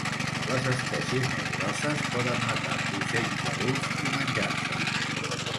Les espècies més grosses poden matar ocells adults i menjar-se'ls.